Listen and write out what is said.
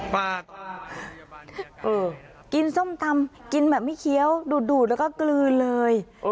ปากกินส้มตำกินแบบไม่เคี้ยวดูดแล้วก็กลืนเลย